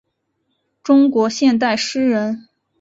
中国现代诗人。